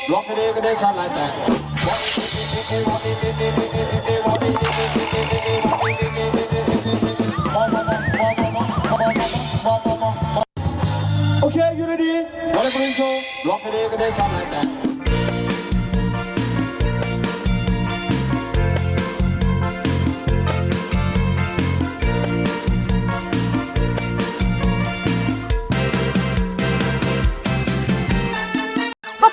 มิชุนา